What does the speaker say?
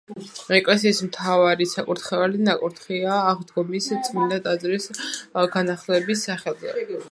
ეკლესიის მთავარი საკურთხეველი ნაკურთხია აღდგომის წმინდა ტაძრის განახლების სახელზე.